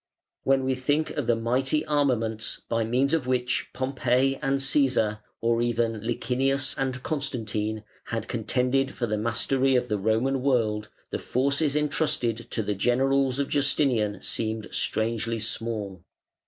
When we think of the mighty armaments by means of which Pompey and Cæsar, or even Licinius and Constantine, had contended for the mastery of the Roman world, the forces entrusted to the generals of Justinian seem strangely small.